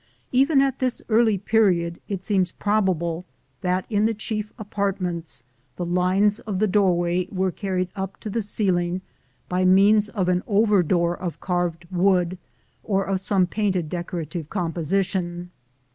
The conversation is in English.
Even at this early period it seems probable that in the chief apartments the lines of the doorway were carried up to the ceiling by means of an over door of carved wood, or of some painted decorative composition.